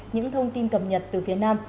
những thông tin cập nhật từ phía nam